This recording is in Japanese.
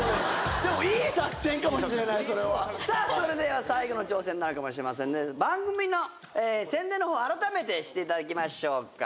それでは最後の挑戦になるかもしれませんので番組の宣伝の方あらためてしていただきましょうか。